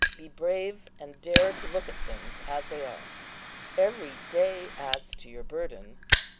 Be brave, and dare to look at things as they are. Every day adds to your burden.